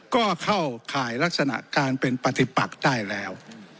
ก็เข้าข่ายลักษณะการเป็นปฏิปักได้แล้ว